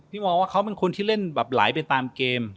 มองว่าเขาเป็นคนที่เล่นแบบไหลไปตามเกม